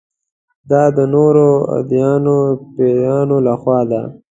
دا د نورو ادیانو پیروانو له خوا ده.